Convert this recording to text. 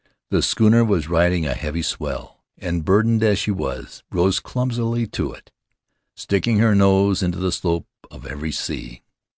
The schooner was riding a heavy swell, and, burdened as she was, rose clumsily to it, sticking her nose into the slope of every sea.